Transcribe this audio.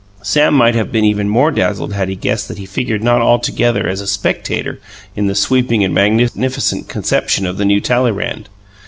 Sam might have been even more dazzled had he guessed that he figured not altogether as a spectator in the sweeping and magnificent conception of the new Talleyrand.